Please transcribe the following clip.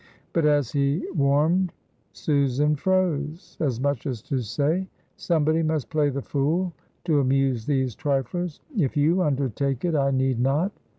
But as he warmed Susan froze, as much as to say, "Somebody must play the fool to amuse these triflers if you undertake it I need not."